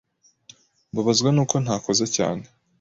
Mbabajwe nuko ntakoze cyane.